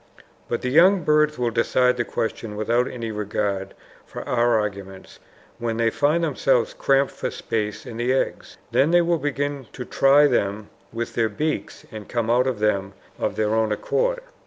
But the young birds will decide the question without any regard for our arguments when they find themselves cramped for space in the eggs. Then they will begin to try them with their beaks and come out of them of their own accord.